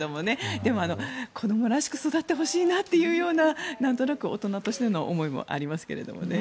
でも、子どもらしく育ってほしいというようななんとなく、大人としての思いもありますけどもね。